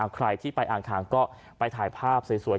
ใครที่ไปอ่างคางก็ไปถ่ายภาพสวย